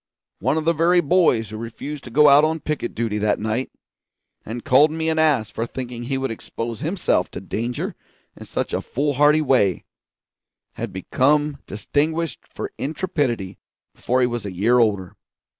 One of the very boys who refused to go out on picket duty that night, and called me an ass for thinking he would expose himself to danger in such a foolhardy way, had become distinguished for intrepidity before he was a year older.